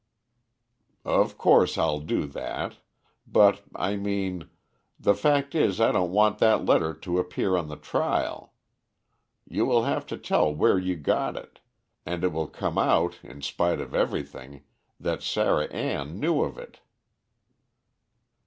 "Of course I'll do that. But I mean the fact is I don't want that letter to appear on the trial. You will have to tell where you got it, and it will come out, in spite of everything, that Sarah Ann knew of it."